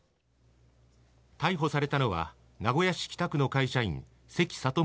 逮捕されたのは名古屋市北区の会社員関佐登美